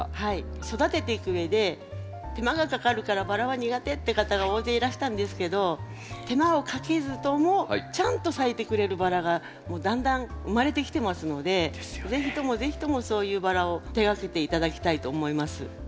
育てていくうえで手間がかかるからバラは苦手って方が大勢いらしたんですけど手間をかけずともちゃんと咲いてくれるバラがだんだん生まれてきてますので是非とも是非ともそういうバラを手がけて頂きたいと思います。